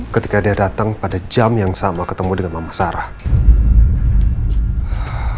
ketika dia datang pada jam yang sama ketemu dengan mama sarah